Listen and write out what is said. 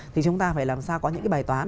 thì chúng ta phải làm sao có những cái bài toán